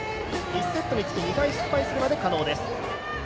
１セットにつき２回失敗するまで可能です。